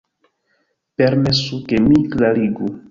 Permesu, ke mi klarigu.